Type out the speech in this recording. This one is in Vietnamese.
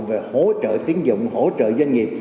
về hỗ trợ tiến dụng hỗ trợ doanh nghiệp